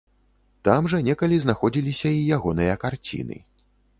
Там жа некалі знаходзіліся і ягоныя карціны.